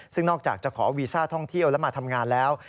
ซึ่งนอกจากจะขอวีซ่าท่องเที่ยวและมาทำงานแล้ว